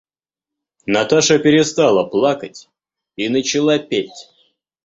Наташа перестала плакать и начала петь.